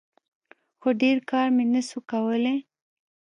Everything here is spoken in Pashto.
خو ډېر کار مې نسو کولاى.